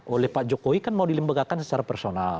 oleh pak jokowi kan mau dilembagakan secara personal